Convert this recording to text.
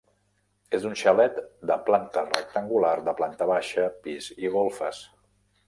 És un xalet de planta rectangular de planta baixa, pis i golfes.